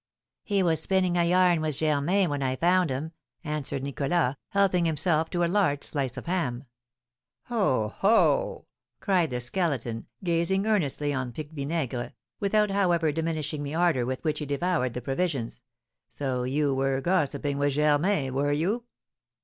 "He was spinning a yarn with Germain when I found him," answered Nicholas, helping himself to a large slice of the ham. "Ho, ho!" cried the Skeleton, gazing earnestly on Pique Vinaigre, without, however, diminishing the ardour with which he devoured the provisions; "so you were gossiping with Germain, were you?"